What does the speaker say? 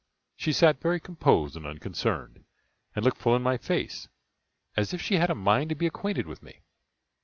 She sat very composed and unconcerned, and looked full in my face, as if she had a mind to be acquainted with me.